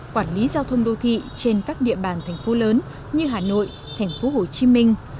quản lý giao thông đô thị trên các địa bàn thành phố lớn như hà nội thành phố hồ chí minh